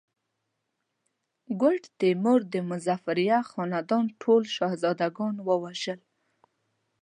ګوډ تیمور د مظفریه خاندان ټول شهزاده ګان ووژل.